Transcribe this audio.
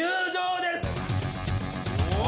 お！